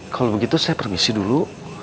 kalau begitu saya permisi dulu